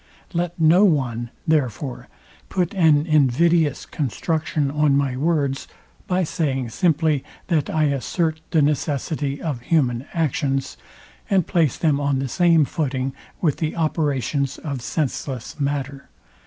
Let no one, therefore, put an invidious construction on my words, by saying simply, that I assert the necessity of human actions, and place them on the same footing with the operations of senseless matter.